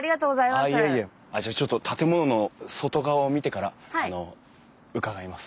じゃあちょっと建物の外側を見てから伺います。